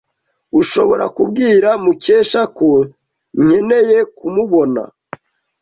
Ushobora kubwira Mukesha ko nkeneye kumubona?